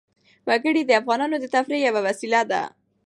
وګړي د افغانانو د تفریح یوه وسیله ده.